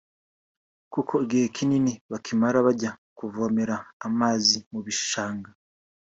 kuko igihe kinini bakimara bajya kuvomera amazi mu bishanga